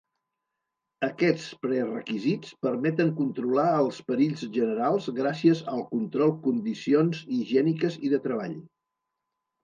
Aquests prerequisits permeten controlar els perills generals gràcies al control condicions higièniques i de treball.